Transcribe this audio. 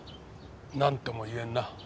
なんとも言えんな。